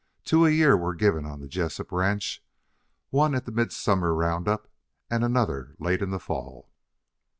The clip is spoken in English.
Two a year were given on the Jessup ranch, one after the midsummer round up, and another late in the fall.